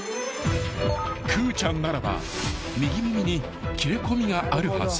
［くーちゃんならば右耳に切れ込みがあるはず］